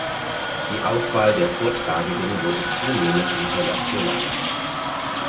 Die Auswahl der Vortragenden wurde zunehmend internationaler.